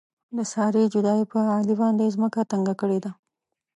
د سارې جدایۍ په علي باندې ځمکه تنګه کړې ده.